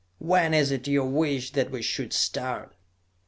When is it your wish that we should start?"